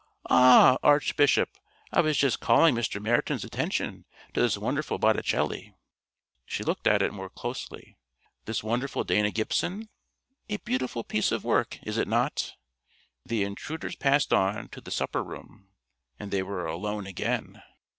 "Ah, Archbishop, I was just calling Mr. Meryton's attention to this wonderful Botticell" (she looked at it more closely) "this wonderful Dana Gibson. A beautiful piece of work, is it not?" The intruders passed on to the supper room, and they were alone again.